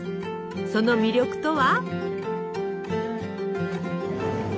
その魅力とは？